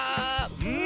うん。